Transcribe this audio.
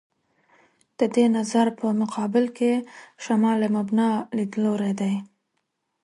د دې نظر په مقابل کې «شمال مبنا» لیدلوری دی.